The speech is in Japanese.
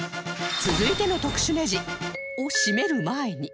続いての特殊ネジを締める前に